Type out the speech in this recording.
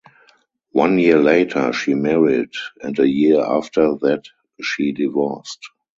One year later, she married, and a year after that, she divorced.